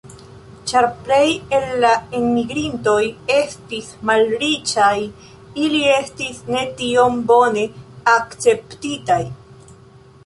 Ĉar plej el le enmigrintoj estis malriĉaj, Ili estis ne tiom bone akceptitaj.